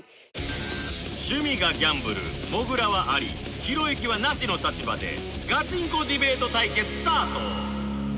趣味がギャンブルもぐらはアリひろゆきはナシの立場でガチンコディベート対決スタート！